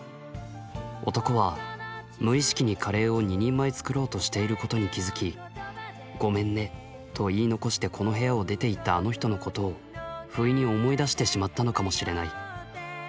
男は無意識にカレーを２人前作ろうとしていることに気付き『ごめんね』と言い残してこの部屋を出ていったあの人のことをふいに思い出してしまったのかもしれない。